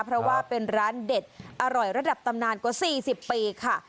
เพราะว่าเป็นร้านเด็ดอร่อยระดับตำนานกว่า๔๐ปีค่ะ